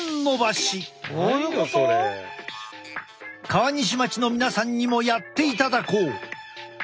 川西町の皆さんにもやっていただこう。